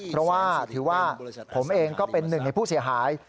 เพราะว่าถือว่าผมเองก็เป็นหนึ่งในผู้เสียหาย